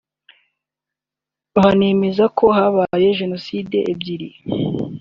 Banemeza ko habayeho Genocide ebyiri